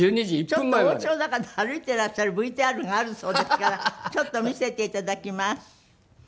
ちょっとおうちの中で歩いてらっしゃるＶＴＲがあるそうですからちょっと見せていただきます。